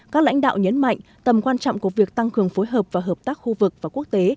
các lãnh đạo nhấn mạnh tầm quan trọng của việc tăng cường phối hợp và hợp tác khu vực và quốc tế